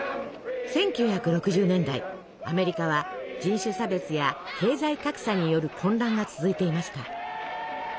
１９６０年代アメリカは人種差別や経済格差による混乱が続いていました。